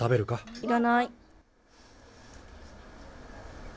いらない。